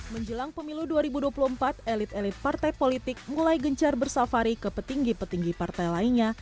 menjelang pemilu dua ribu dua puluh empat elit elit partai politik mulai gencar bersafari ke petinggi petinggi partai lainnya